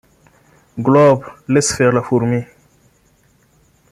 Globe, laisse faire la fourmi.